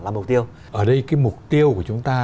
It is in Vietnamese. là mục tiêu ở đây cái mục tiêu của chúng ta